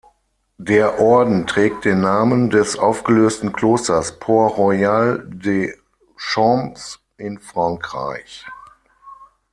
Der Orden trägt den Namen des aufgelösten Klosters Port Royal des Champs in Frankreich.